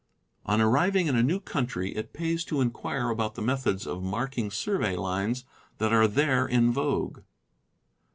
On arriving in a new country, it pays to inquire about the methods of mark ing survey lines that are there in vogue.